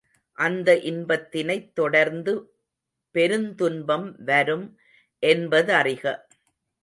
அந்த இன்பத்தினைத் தொடர்ந்து பெருந்துன்பம் வரும் என்பதறிக.